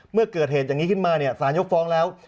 เมื่อเกิดเหตุอย่างนี้ขึ้นมาสารยกฟ้องแล้ว